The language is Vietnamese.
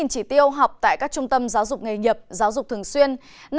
tám chỉ tiêu học tại các trung tâm giáo dục nghề nhập giáo dục thường xuyên